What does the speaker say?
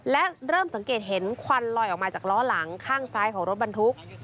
และเริ่มสังเกตเห็นควันลอยออกมาจากล้อหลังข้างซ้ายของรถบรรทุก